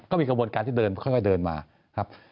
ก็มีกระบวนการที่เดินค่อยเดินมาครับ